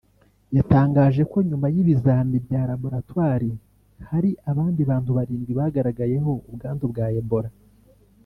yatangaje ko nyuma y’ibizami bya Laboratwari hari abandi bantu barindwi bagaragayeho ubwandu bwa Ebola